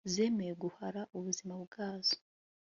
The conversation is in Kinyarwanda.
zemeye guhara ubuzima bwazo